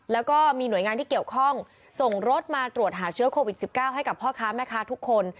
แล้วก็มีหน่วยงานที่เกี่ยวข้องส่งรถมาตรวจหาเชื้อโควิด๑๙ให้กับพ่อค้าแม่ค้าทุกคน